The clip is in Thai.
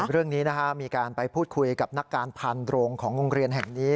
เรื่องนี้มีการไปพูดคุยกับนักการพันโรงของโรงเรียนแห่งนี้